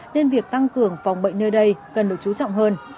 nên việc tăng cường phòng bệnh nơi đây cần được chú trọng hơn